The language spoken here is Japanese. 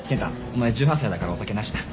お前１８歳だからお酒なしな。